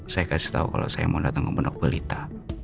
saya kasih tau kalau saya mau datang ke pendok belita